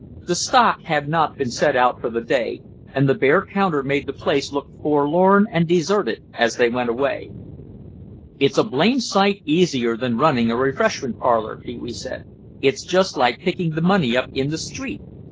The "stock" had not been set out for the day and the bare counter made the place look forlorn and deserted as they went away. "It's a blamed sight easier than running a refreshment parlor," Pee wee said; "it's just like picking the money up in the street.